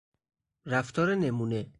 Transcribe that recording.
رفتار نمونه